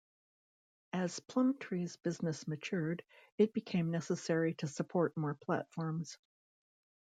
As Plumtree's business matured, it became necessary to support more platforms.